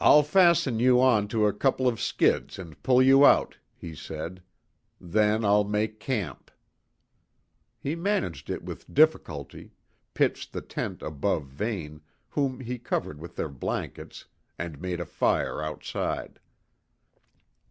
"I'll fasten you on to a couple of skids and pull you out," he said. "Then I'll make camp." He managed it with difficulty, pitched the tent above Vane, whom he covered with their blankets, and made a fire outside.